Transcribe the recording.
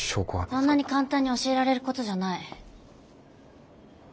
そんなに簡単に教えられることじゃない。